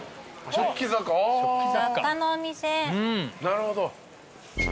なるほど。